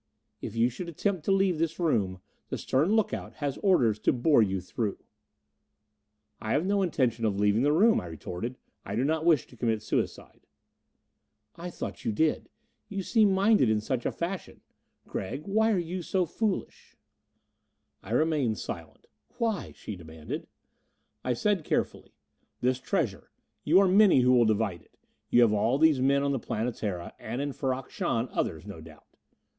"If you should attempt to leave this room, the stern look out has orders to bore you through." "I have no intention of leaving the room," I retorted. "I do not want to commit suicide." "I thought you did. You seem minded in such a fashion. Gregg, why are you so foolish?" I remained silent. "Why?" she demanded. I said carefully, "This treasure you are many who will divide it. You have all these men on the Planetara. And in Ferrok Shahn, others, no doubt."